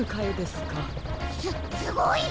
すすごい！